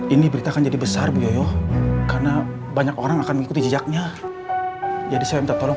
ini beritakan jadi besar bu yoyo karena banyak orang akan mengikuti jejaknya jadi saya minta tolong